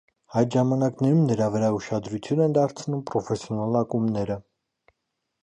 Այդ ժամանակներում նրա վրա ուշադրություն են դարձնում պրոֆեսիոնալ ակումբները։